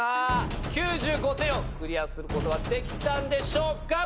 ９５点をクリアすることはできたんでしょうか。